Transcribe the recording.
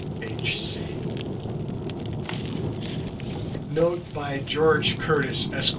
H. C. NOTE BY GEORGE CURTIS, Esq.